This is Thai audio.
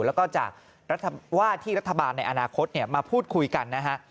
แล้วก็จากว่าที่รัฐบาลในอนาคตมาพูดคุยกันนะฮะ